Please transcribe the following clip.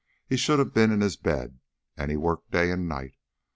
He should have been in his bed, and he worked day and night.